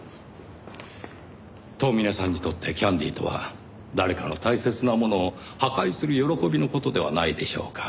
遠峰さんにとってキャンディーとは誰かの大切なものを破壊する喜びの事ではないでしょうか。